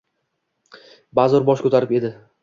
Bazo’r bosh ko’tarib edi.